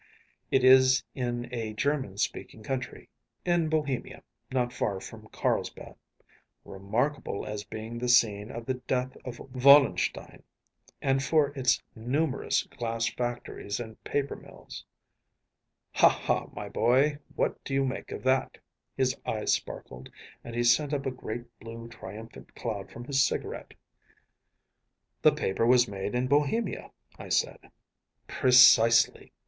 It is in a German speaking country‚ÄĒin Bohemia, not far from Carlsbad. ‚ÄėRemarkable as being the scene of the death of Wallenstein, and for its numerous glass factories and paper mills.’ Ha, ha, my boy, what do you make of that?‚ÄĚ His eyes sparkled, and he sent up a great blue triumphant cloud from his cigarette. “The paper was made in Bohemia,‚ÄĚ I said. “Precisely.